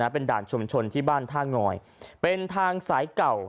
เป็นด่านชุมชนที่บ้านท่างอยเป็นทางสายเก่า